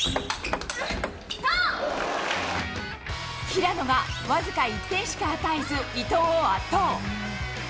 平野が僅か２点しか与えず、伊藤を圧倒。